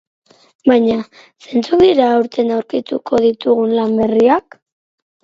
Baina, zeintzuk dira aurten aurkituko ditugun lan berriak?